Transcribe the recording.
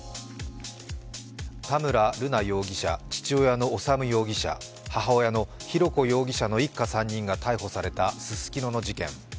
田村瑠奈容疑者、父親の修容疑者、母親の浩子容疑者の一家３人が逮捕されたススキノの事件。